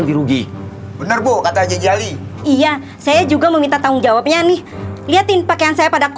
terus urusan kita gimana